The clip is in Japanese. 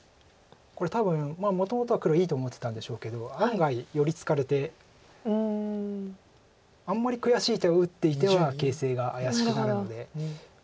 これ多分もともとは黒いいと思ってたんでしょうけど案外寄り付かれてあんまり悔しい手を打っていては形勢が怪しくなるんで。